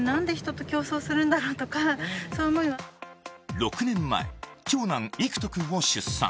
６年前、長男・行土君を出産。